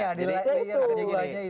iya di layer akhirnya gini